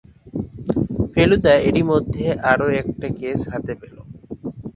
ফেলুদা এরই মধ্যে আরও একটা কেস হাতে পেল।